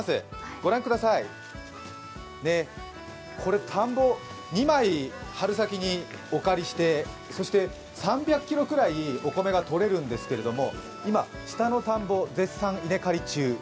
ご覧ください、これ、田んぼ、２枚、春先にお借りしてそして３００ｋｇくらい、お米がとれるんですけど、今、下の田んぼ、絶賛稲刈り中。